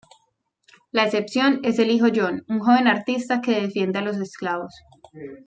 La excepción es el hijo John, un joven artista que defiende a los esclavos.